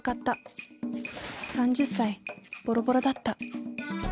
３０歳ボロボロだった。